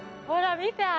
ほら見て！